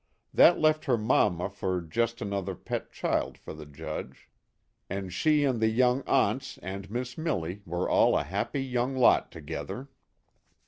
That left her mamma for just an other pet child for the Judge, and she and the 104 young aunts and Missmilly were all a happy young lot together.